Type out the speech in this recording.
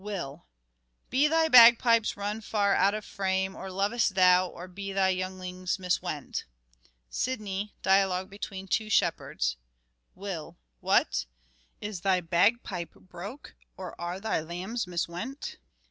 Will : Be thy bagpipes run far out of frame ? Or lovest thou, or be thy younglings miswent ? Sidney (Dialogue between ttto shepherds). Will : What ? Is thy bagpipe broke or are thy lambs miswent